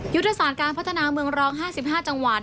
ยุทธศาสตร์การพัฒนาเมืองรอง๕๕จังหวัด